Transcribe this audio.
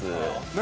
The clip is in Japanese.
「何？